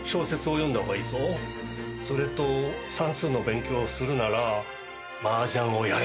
それと算数の勉強をするならマージャンをやれ。